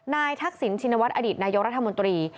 นายทักษิณชินวัฒน์อดิษฐ์นายกรรธมนตรี